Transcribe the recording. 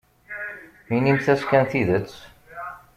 Inimt-as kan tidet.